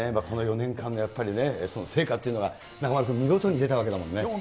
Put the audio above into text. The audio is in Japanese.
この４年間のやっぱりね、成果っていうのが中丸君、見事に出たわけだもんね。